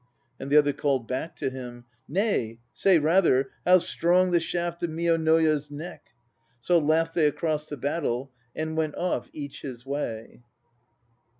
And the other called back to him, "Nay, say rather 'How strong the shaft Of Mionoya's neck !" So laughed they across the battle, And went off each his way.